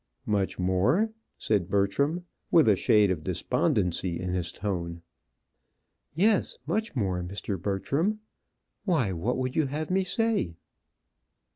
"Much more!" said Bertram, with a shade of despondency in his tone. "Yes, much more, Mr. Bertram. Why, what would you have me say?"